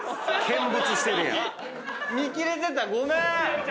見切れてた⁉ごめん！